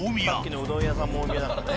さっきのうどん屋さんも大宮だからね。